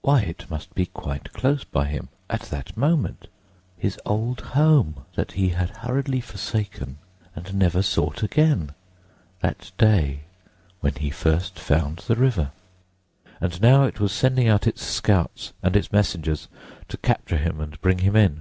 Why, it must be quite close by him at that moment, his old home that he had hurriedly forsaken and never sought again, that day when he first found the river! And now it was sending out its scouts and its messengers to capture him and bring him in.